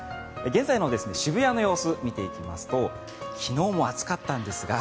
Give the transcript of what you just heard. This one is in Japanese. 現在の渋谷の様子を見ていきますと昨日も暑かったんですが。